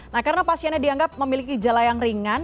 nah karena pasiennya dianggap memiliki jala yang ringan